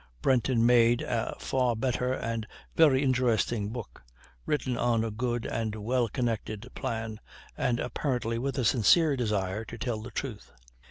Brenton made a far better and very interesting book, written on a good and well connected plan, and apparently with a sincere desire to tell the truth.